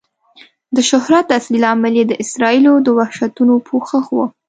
د شهرت اصلي لامل یې د اسرائیلو د وحشتونو پوښښ و.